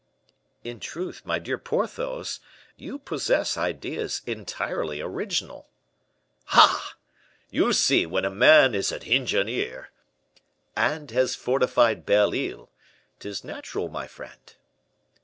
"In truth, my dear Porthos, you possess ideas entirely original." "Ah! you see when a man is an engineer " "And has fortified Belle Isle 'tis natural, my friend."